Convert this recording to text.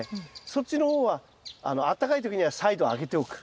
そっちの方はあったかい時にはサイドを開けておく。